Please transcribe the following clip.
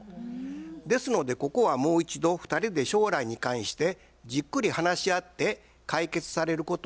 ですのでここはもう一度２人で将来に関してじっくり話し合って解決されることをおすすめいたします。